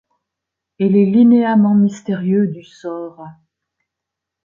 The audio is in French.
Et les linéaments mystérieux du sort